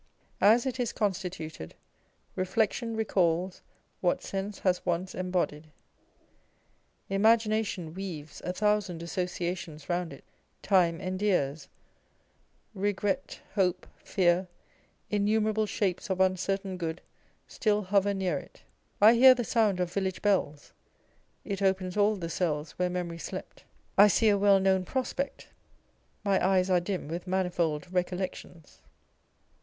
As it is constituted, reflection recalls what sense has once embodied ; imagination weaves a thousand associations round it, time endears, regret, hope, fear, innumerable shapes of uncertain good still hover near it. I hear the sound of village bells â€" it " opens all the cells where memory slept" â€" I sec a well known prospect, my eyes are dim with manifold recollections.